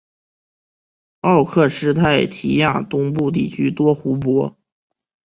奥克施泰提亚东部地区多湖泊。